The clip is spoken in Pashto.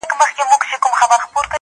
o چي کور ودان، د ورور ودان٫